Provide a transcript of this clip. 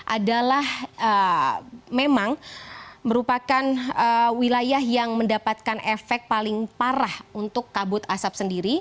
adalah memang merupakan wilayah yang mendapatkan efek paling parah untuk kabut asap sendiri